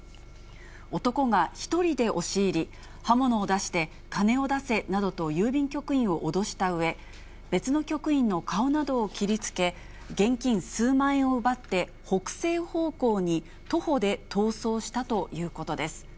男が１人で押し入り、刃物を出して、金を出せなどと郵便局員を脅したうえ、別の局員の顔などを切りつけ、現金数万円を奪って、北西方向に徒歩で逃走したということです。